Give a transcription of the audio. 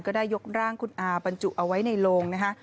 ได้ยกร่างคุณอาบรรจุเอาไว้ในโลงนะคะ